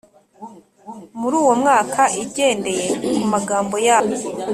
muri uwo mwaka igendeye kumagambo yabo